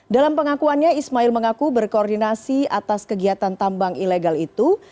dalam pengakuannya ismail mengaku berkoordinasi atas kegiatan tambang ilegal itu